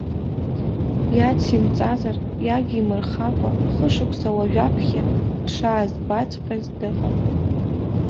Иацимҵазар иагимырхакәа, хышықәса уажәаԥхьа дшаазбаҵәҟьаз дыҟан.